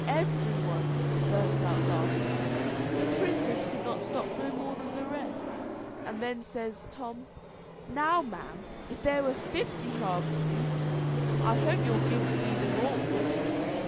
Everybody burst out a laughing the princess could not stop no more than the rest; and then says Tom, "Now, ma'am, if there were fifty halves of you, I hope you'll give me them all."